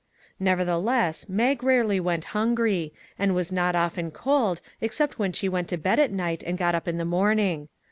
Never theless, Mag rarely went hungry, and was not often cold, except when she went to bed at night and got up in the morning.